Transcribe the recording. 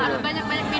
harus banyak minum